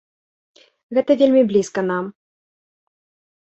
Гэта вельмі блізка нам.